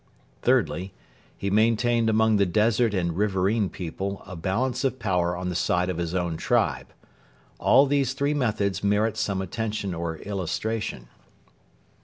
Thirdly, he maintained among the desert and riverain people a balance of power on the side of his own tribe. All these three methods merit some attention or illustration.